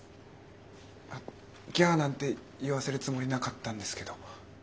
「ぎゃあ！」なんて言わせるつもりなかったんですけど。